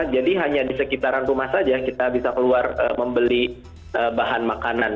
jadi hanya di sekitaran rumah saja kita bisa keluar membeli bahan makanan